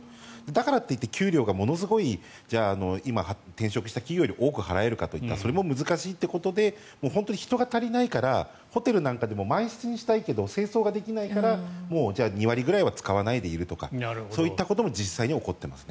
だからといって給料がものすごい今転職した企業より多く払えるかと言ったらそれも難しいということで本当に人が足りないからホテルなんかでも満室にしたいけど清掃できないから２割くらいは使わないでいるとかそういうことも起こっています。